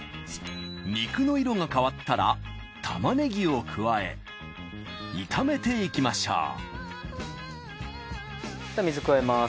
肉の色が変わったら玉ねぎを加え炒めていきましょう水加えます。